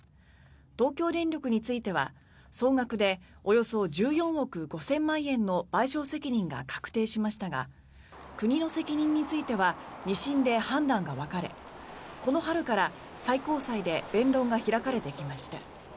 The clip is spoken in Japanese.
東京電力については、総額でおよそ１４億５０００万円の賠償責任が確定しましたが国の責任については２審で判断が分かれこの春から最高裁で弁論が開かれてきました。